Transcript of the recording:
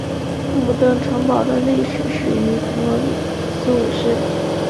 木登城堡的历史始于弗罗里斯五世。